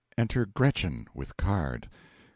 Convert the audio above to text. Enter GRETCHEN with card. GR.